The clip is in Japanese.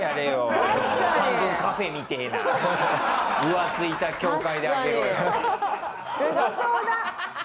浮ついた教会で挙げろよ。